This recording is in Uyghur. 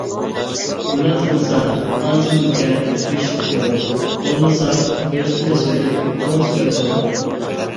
گۇناھ قىلسا ئانچە-مۇنچە چۆچۈتۈپ قويغۇلۇق، بولمىسا ئۆزىنى بېسىۋېلىپ چوڭ سۈپەت بولغۇلۇق!